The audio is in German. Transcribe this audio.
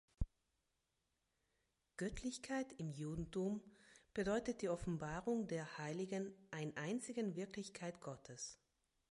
Göttlichkeit im Judentum bedeutet die Offenbarung der heiligen ein-einzigen Wirklichkeit Gottes.